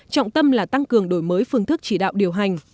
trọng tâm là tăng cường đổi mới phương thức chỉ đạo điều hành